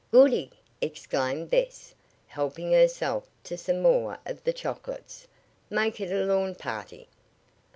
"Goody!" exclaimed Bess, helping herself to some more of the chocolates. "Make it a lawn party."